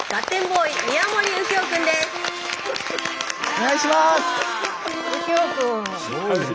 お願いします！